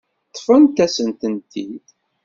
Ṭṭfent-asen-tent-id.